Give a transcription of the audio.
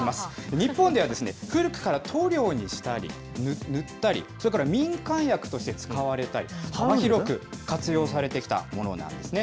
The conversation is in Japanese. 日本では古くから塗料にしたり、塗ったり、それから民間薬として使われたりと、幅広く活用されてきたものなんですね。